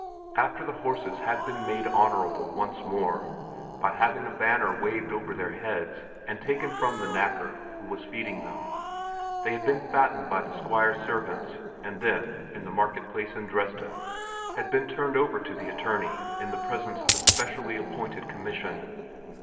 After the horses had been made honorable once more by having a banner waved over their heads, and taken from the knacker, who was feeding them, they had been fattened by the Squire's servants and then, in the market place in Dresden, had been turned over to the attorney in the presence of a specially appointed commission.